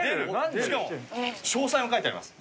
しかも詳細も書いてあります。